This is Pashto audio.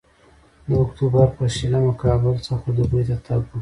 د اکتوبر پر شلمه کابل څخه دوبۍ ته تګ و.